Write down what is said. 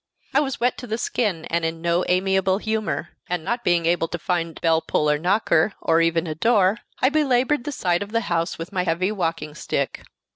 I was wet to the skin and in no amiable humor; and not being able to find bell pull or knocker, or even a door, I belabored the side of the house with my heavy walking stick.